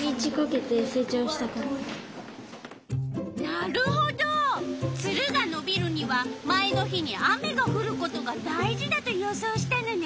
なるほどツルがのびるには前の日に雨がふることが大事だと予想したのね。